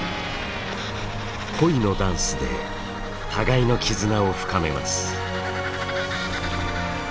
恋のダンスで互いの絆を深めます。